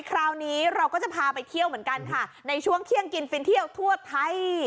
คราวนี้เราก็จะพาไปเที่ยวเหมือนกันค่ะในช่วงเที่ยงกินฟินเที่ยวทั่วไทย